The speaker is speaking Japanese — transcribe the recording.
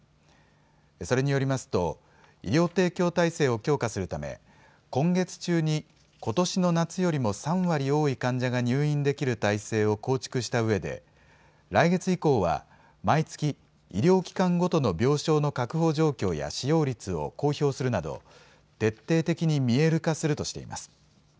それによりますと医療提供体制を強化するため今月中にことしの夏よりも３割多い患者が入院できる体制を構築したうえで来月以降は毎月、医療機関ごとの病床の確保状況や使用率を公表するなど、徹底的に見える化するとしています。